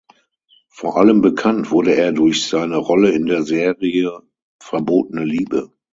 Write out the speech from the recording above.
Vor allem bekannt wurde er durch seine Rolle in der Serie „Verbotene Liebe“.